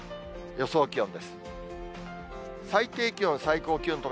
予想気温です。